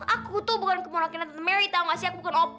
aku tuh bukan kemurahkanan tante meri tau gak sih aku bukan op